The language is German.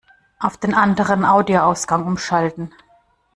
Auf den anderen Audioausgang umschalten!